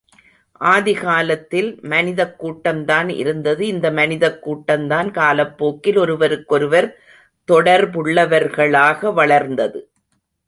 ஆதிகாலத்தில் மனிதக் கூட்டம்தான் இருந்தது இந்த மனிதக் கூட்டந்தான் காலப்போக்கில் ஒருவருக்கொருவர் தொடர்புள்ளவர்களாக வளர்ந்தது.